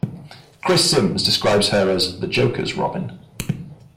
Chris Sims describes her as the Joker's Robin.